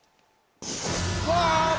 うわ！